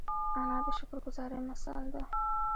انا د شکر ګذاري مثال ده